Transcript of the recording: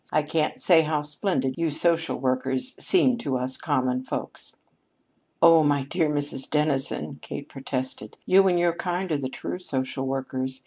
I can't say how splendid you social workers seem to us common folks." "Oh, my dear Mrs. Dennison!" Kate protested. "You and your kind are the true social workers.